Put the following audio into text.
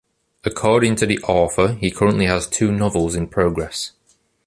According to the author, he currently has two novels in progress.